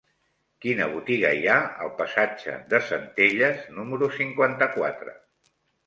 Quina botiga hi ha al passatge de Centelles número cinquanta-quatre?